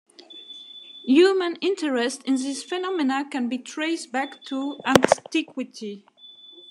Human interest in these phenomena can be traced back to antiquity.